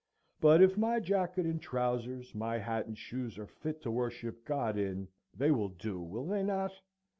But if my jacket and trousers, my hat and shoes, are fit to worship God in, they will do; will they not?